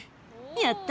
やった！